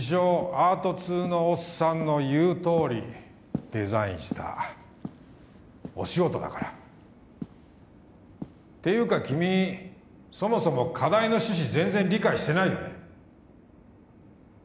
アート通のおっさんの言うとおりデザインした「お仕事」だからていうか君そもそも課題の趣旨全然理解してないよね